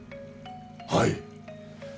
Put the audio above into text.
はい。